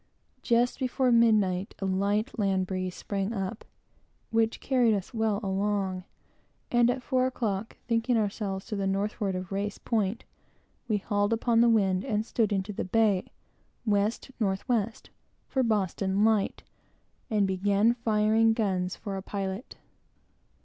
Just before midnight, a light land breeze sprang up, which carried us well along; and at four o'clock, thinking ourselves to the northward of Race Point, we hauled upon the wind and stood into the bay, west north west, for Boston light, and commenced firing guns for a pilot.